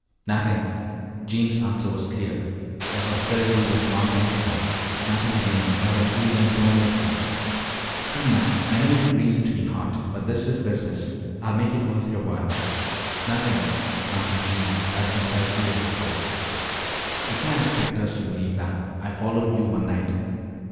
"Nothin'." Jeems' answer was clear. The hostility was gone from his voice; nothing remained but an even tonelessness. "Come now, I know you have reason to be hot. But this is business. I'll make it worth your while " "Nothin'," answered Jeems as concisely as before. "You can't expect us to believe that. I followed you one night."